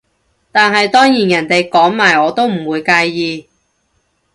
但係當然人哋講埋我都唔會介意